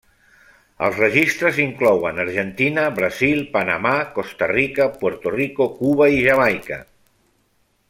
Els registres inclouen Argentina, Brasil, Panamà, Costa Rica, Puerto Rico, Cuba i Jamaica.